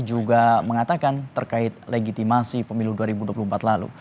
juga mengatakan terkait legitimasi pemilu dua ribu dua puluh empat lalu